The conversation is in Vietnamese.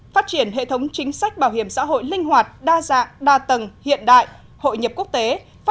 phát triển hệ thống chính sách bảo hiểm xã hội linh hoạt đa dạng đa tầng hiện đại hội nhập quốc tế